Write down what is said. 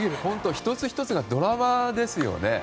１つ１つがドラマですね。